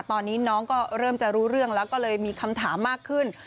ตอนนี้น้องก็เริ่มจะรู้เรื่องแล้วก็เลยมีคำถามมากขึ้น